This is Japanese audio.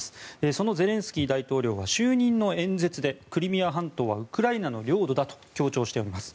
そのゼレンスキー大統領は就任の演説でクリミア半島はウクライナの領土だと強調しています。